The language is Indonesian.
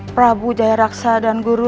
prabu jayaraksa dan guru